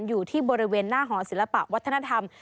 อยู่ที่บริเวณหน้าหอศิลปะวัฒนธรรม